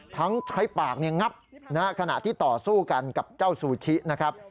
ทั้งใช้ปากงับขณะที่ต่อสู้กันกับเจ้าซูชินะครับ